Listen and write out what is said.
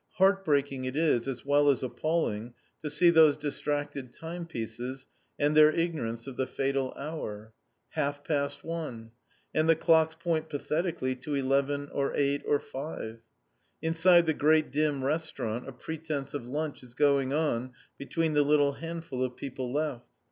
Heart breaking it is, as well as appalling, to see those distracted timepieces, and their ignorance of the fatal hour. Half past one! And the clocks point pathetically to eleven, or eight, or five. Inside the great dim restaurant a pretence of lunch is going on between the little handful of people left.